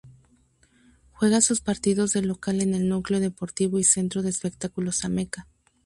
Juega sus partidos de local en el Núcleo Deportivo y Centro de Espectáculos Ameca.